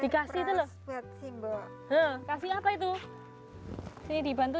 kamu beri apa itu